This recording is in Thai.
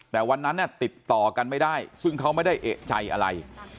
แต่วันนั้นติดต่อกันไม่ได้ซึ่งเขาไม่ได้เอกใจอะไร